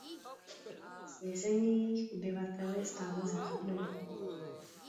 Zmizení jejích obyvatel je stále záhadou.